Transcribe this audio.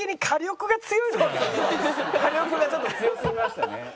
火力がちょっと強すぎましたね。